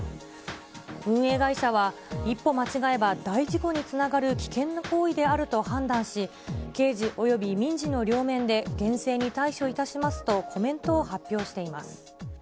運営会社は、一歩間違えば大事故につながる危険な行為であると判断し、刑事および民事の両面で、厳正に対処いたしますとコメントを発表しています。